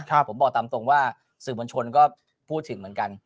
ผมบอกตามตรงว่าสื่อมวลชนก็พูดถึงเหมือนกัน